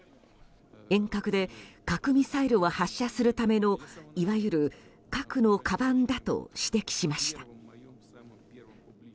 遠隔で核ミサイルを発射するためのいわゆる核のかばんだと指摘しました。